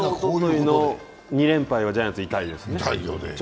２連敗はジャイアンツ、痛いですね。